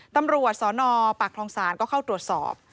ตำรวจสนปากคลองศาลก็เข้าตรวจสอบ